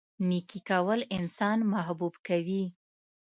نیکي کول انسان محبوب کوي.